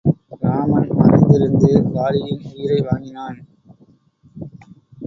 இராமன் மறைந்திருந்து வாலியின் உயிரை வாங்கினான்.